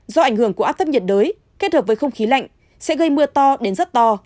do ảnh hưởng của áp thấp nhiệt đới kết hợp với không khí lạnh sẽ gây mưa to đến rất to